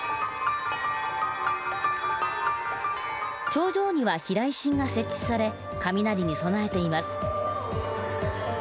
頂上には避雷針が設置され雷に備えています。